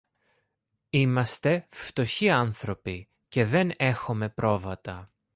Είμαστε φτωχοί άνθρωποι και δεν έχομε πρόβατα.